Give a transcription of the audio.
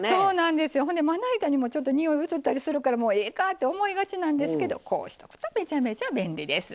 ほんでまな板にもちょっとにおい移ったりするからもうええかって思いがちなんですけどこうしとくとめちゃめちゃ便利です。